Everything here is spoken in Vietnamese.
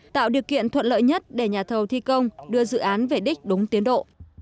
tạo điều kiện thuận lợi nhất để nhà thầu thi công đưa dự án về đích đúng tiến độ